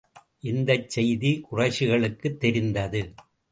இந்தச் செய்தி குறைஷிகளுக்குத் தெரிந்தது.